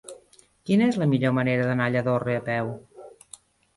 Quina és la millor manera d'anar a Lladorre a peu?